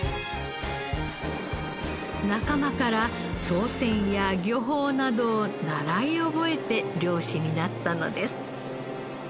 仲間から操船や漁法などを習い覚えて漁師になったのです。